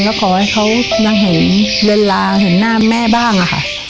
แล้วขอให้เขามาเห็นเวลาเห็นหน้าแม่บ้างค่ะ